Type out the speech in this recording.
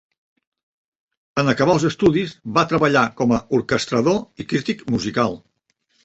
En acabar els estudis va treballar com a orquestrador i crític musical.